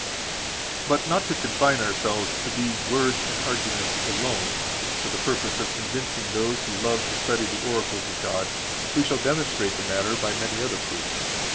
But not to confine ourselves to these words and arguments alone, for the purpose of convincing those who love to study the oracles of God, we shall demonstrate the matter by many other proofs.